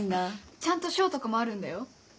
ちゃんと賞とかもあるんだよ。